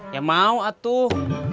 ya mau atuh